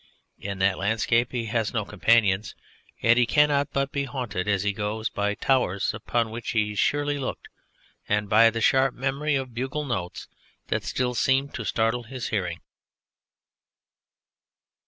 In that landscape he has no companion; yet he cannot but be haunted, as he goes, by towers upon which he surely looked, and by the sharp memory of bugle notes that still seem to startle his hearing.